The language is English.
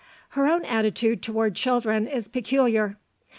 Her own attitude toward children is peculiar.